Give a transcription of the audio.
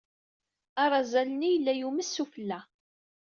Arazal-nni yella yumes sufella.